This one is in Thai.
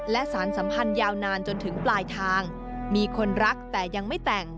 และสารสัมพันธ์ยาวนานจนถึงปลายทางมีคนรักแต่ยังไม่แต่ง